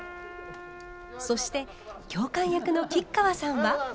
そして教官役の吉川さんは。